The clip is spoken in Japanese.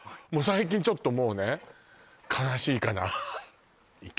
最近ちょっともうね悲しいかな